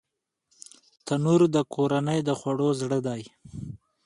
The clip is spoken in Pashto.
تنور د کورنۍ د خوړو زړه دی